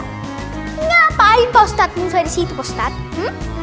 ngapain pak ustadz musa disitu pak ustadz